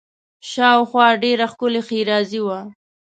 شاوخوا ډېره ښکلې ښېرازي وه.